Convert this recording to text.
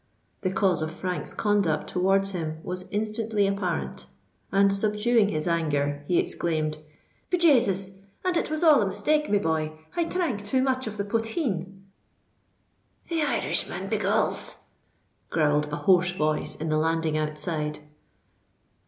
The cause of Frank's conduct towards him was instantly apparent; and, subduing his anger, he exclaimed, "Be Jasus! and it was all a mistake, me boy! I dhrank too much of the potheen——" "The Irishman, by goles!" growled a hoarse voice in the landing outside.